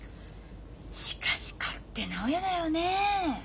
しかし勝手な親だよねえ。